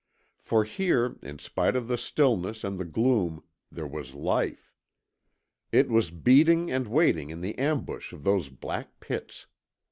For here, in spite of the stillness and the gloom, THERE WAS LIFE. It was beating and waiting in the ambush of those black pits.